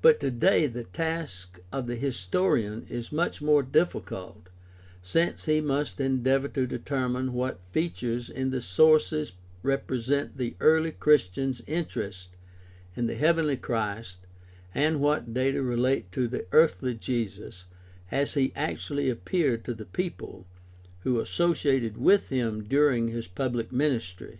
But today the task of the historian is much more difficult since he must endeavor to determine what features in the sources represent the early Christians' interest in the heavenly Christ and what data relate to the earthly Jesus as he actually appeared to the people who assoc^'ated with him during his pubhc ministry.